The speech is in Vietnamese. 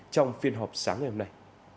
trong phiên họp sáng ngày hôm nay